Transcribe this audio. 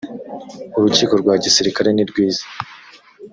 urukiko rwa gisirikare nirwiza